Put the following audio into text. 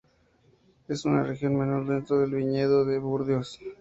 Es una región menor dentro del viñedo de Burdeos.